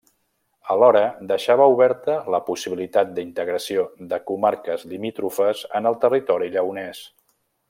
Alhora, deixava oberta la possibilitat d'integració de comarques limítrofes en el territori lleonès.